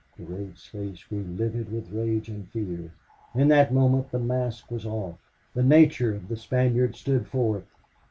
Durade's face grew livid with rage and fear. And in that moment the mask was off. The nature of the Spaniard stood forth.